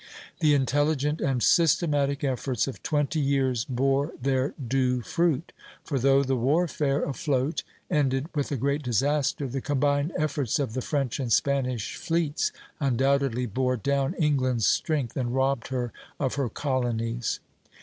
The intelligent and systematic efforts of twenty years bore their due fruit; for though the warfare afloat ended with a great disaster, the combined efforts of the French and Spanish fleets undoubtedly bore down England's strength and robbed her of her colonies.